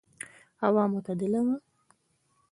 هوا معتدله وه.